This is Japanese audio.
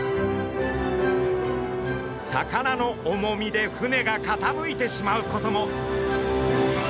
魚の重みで船がかたむいてしまうことも。